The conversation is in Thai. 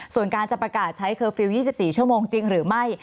ส่วนการจะประกาศใช้เคอร์ฟิลล์๒๔ชั่วโมงจริงหรือไม่